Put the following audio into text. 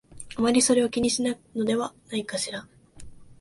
あまりそれを気にしないのではないかしら